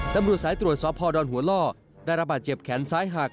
ตำรวจสายตรวจสอบพอดอนหัวล่อได้ระบาดเจ็บแขนซ้ายหัก